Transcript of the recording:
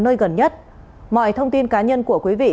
nơi gần nhất mọi thông tin cá nhân của quý vị